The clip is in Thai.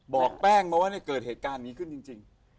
บอกแป้งมาว่าเกิดเหตุการณ์นี้ขึ้นจริง